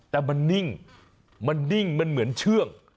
แต่มันนิ่งมันนิ่งมันเหมือนเชื่อง